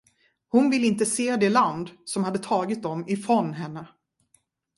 Hon ville inte se det land, som hade tagit dem ifrån henne.